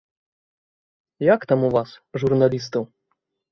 Як там у вас, у журналістаў?